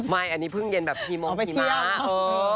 ไม่อันนี้เพิ่งเย็นแบบคีโมพีมะ